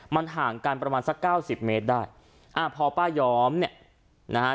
มันห่างกันประมาณสักเก้าสิบเมตรได้อ่าพอป้าย้อมเนี่ยนะฮะ